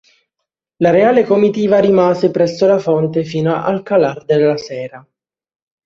La reale comitiva rimase presso la fonte fino al calar della sera.